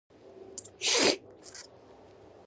د چینایي توکو ارزاني ګټه لري؟